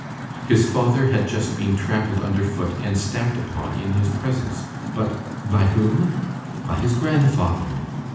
His father had just been trampled under foot and stamped upon in his presence, but by whom? By his grandfather.